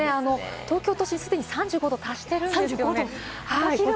東京都心、すでに３５度に達しているんです。